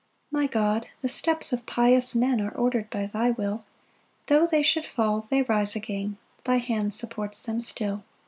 1 My God, the steps of pious men Are order'd by thy will; Tho' they should fall, they rise again, Thy hand supports them still.